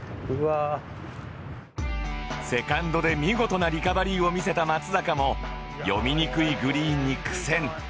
セカンドで見事なリカバリーを見せた松坂も読みにくいグリーンに苦戦